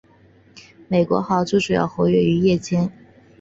北美豪猪主要活跃于夜间。